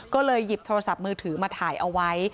ก็เลยหยิบโทรศัพท์มือถือมาถ่ายเอาไว้